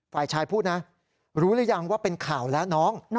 ฝ่ายชายพูดนะรู้หรือยังว่าเป็นข่าวแล้วน้อง